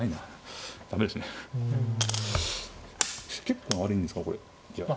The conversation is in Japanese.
結構悪いんですかこれじゃあ。